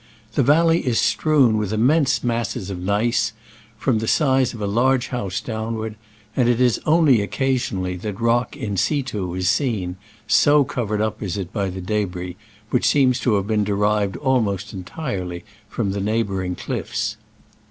The valley is strewn with im mense masses of gneiss, from the size of a large house downward, and it is only occasionally that rock in situ is seen, so covered up is it by the debris, which seems to have been derived al most entirely from the neighboring cliffs.